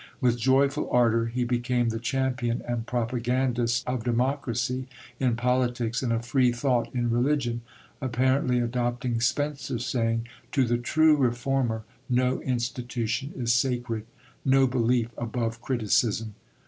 With joyful ardour he became the champion and propagandist of democracy in politics and of free thought in religion; apparently adopting Spencer's saying, "To the true reformer no institution is sacred, no belief above criticism."